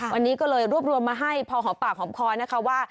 วันนี้ก็เลยรวบมาให้พอหอปากหอมคอว่า